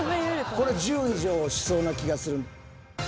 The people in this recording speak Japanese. これ１０以上しそうな気がする。